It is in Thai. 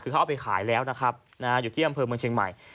คือเขาเอาไปขายแล้วนะครับอยู่ที่อำเภอเมืองเชียงใหม่